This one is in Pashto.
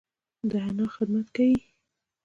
د انا خدمت کيي.